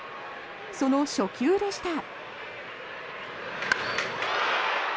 その初球でした。